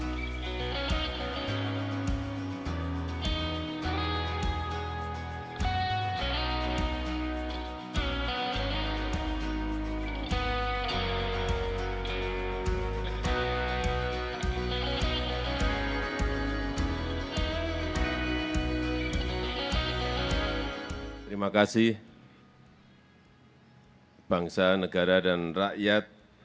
terima kasih bangsa negara dan rakyat